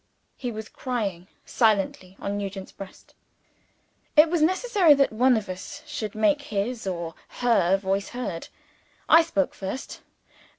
He was crying silently on Nugent's breast. It was necessary that one of us should make his, or her, voice heard. I spoke first.